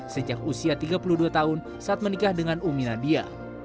sejak usia tiga puluh dua tahun saat menikah dengan umi nadia